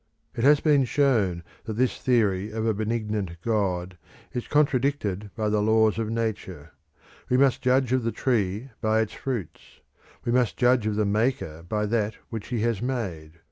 It has been shown that this theory of a benignant God is contradicted by the laws of Nature. We must judge of the tree by its fruits; we must judge of the maker by that which he has made.